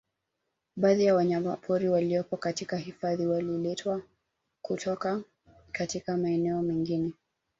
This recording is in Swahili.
Baadhi ya wanyamapori waliopo katika hifadhi waliletwa kutoka katika maeneo mengine